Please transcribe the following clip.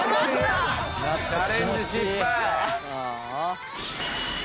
チャレンジ失敗！